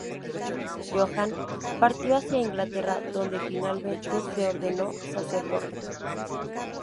Johann partió hacia Inglaterra, donde finalmente se ordenó sacerdote.